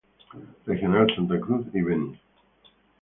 Regional Santa Cruz y Beni.